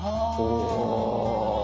お！